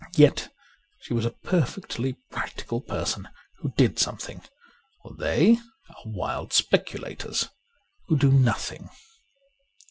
Yet she was a perfectly practical person who did something, while they are wild speculators who do nothing.